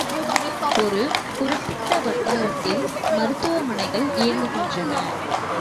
ஒரு குறிப்பிட்ட வட்டாரத்தில் மருத்துவமனைகள் இயங்குகின்றன.